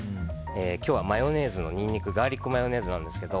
今日はマヨネーズのニンニクガーリックマヨネーズなんですけど。